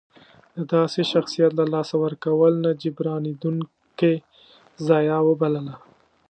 د داسې شخصیت له لاسه ورکول نه جبرانېدونکې ضایعه وبلله.